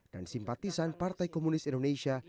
dan simpatisan partai komunis indonesia